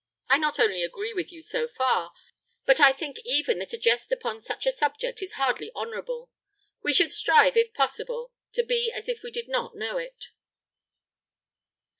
I not only agree with you so far, but I think even that a jest upon such a subject is hardly honourable. We should strive, if possible, to be as if we did not know it."